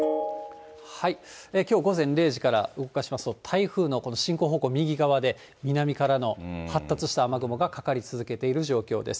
きょう午前０時から動かしますと、台風のこの進行方向、右側で、南からの発達した雨雲がかかり続けている状況です。